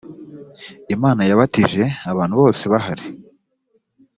imana yabatije abantu bose bahari